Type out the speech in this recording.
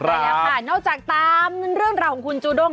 ใช่แล้วค่ะนอกจากตามเรื่องราวของคุณจูด้ง